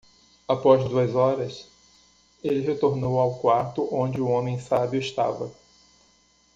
Após duas horas?, ele retornou ao quarto onde o homem sábio estava.